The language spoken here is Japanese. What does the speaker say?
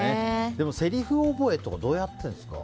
でも、せりふ覚えとかどうやってるんですか？